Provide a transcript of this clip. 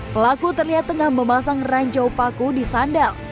pelaku terlihat tengah memasang ranjau paku di sandal